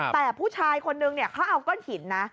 แต่ผู้ชายคนนึงเขาเอาก้อนหินนะ